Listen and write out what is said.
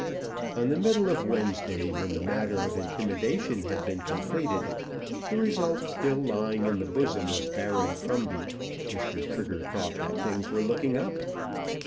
On the middle of Wednesday, when the matter of intimidation had been completed, the result still lying in the bosom of Baron Crumbie, Mr. Trigger thought that things were looking up.